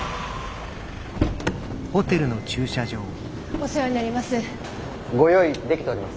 お世話になります。